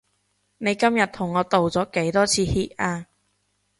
你今日同我道咗幾多次歉啊？